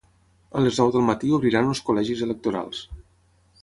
A les nou del matí obriran els col·legis electorals.